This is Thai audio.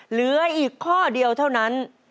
เหลืออีกข้อเดียวเท่านั้น